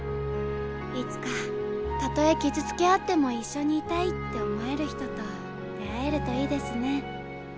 いつかたとえ傷つけ合っても一緒にいたいって思える人と出会えるといいですね。